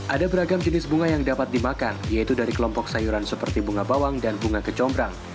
ada beragam jenis bunga yang dapat dimakan yaitu dari kelompok sayuran seperti bunga bawang dan bunga kecombrang